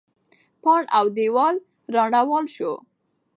پاڼ او دیوال رانړاوه سو.